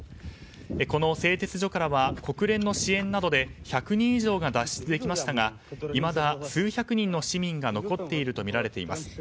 この製鉄所からは国連の支援などで１００人以上が脱出できましたがいまだ数百人の市民が残っているとみられています。